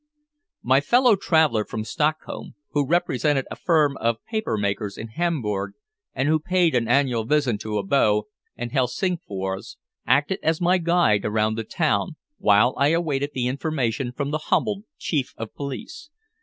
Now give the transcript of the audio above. My fellow traveler from Stockholm, who represented a firm of paper makers in Hamburg, and who paid an annual visit to Abo and Helsingfors, acted as my guide around the town, while I awaited the information from the humbled Chief of Police.